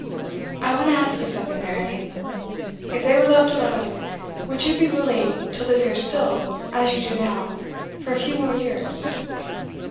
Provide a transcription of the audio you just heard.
'I want to ask you something, Mary. If they were left alone, would you be willing to live here still, as you do now, for a few more years?